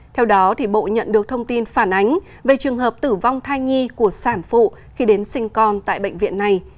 theo đó bộ nhận được thông tin phản ánh về trường hợp tử vong thai nhi của sản phụ khi đến sinh con tại bệnh viện này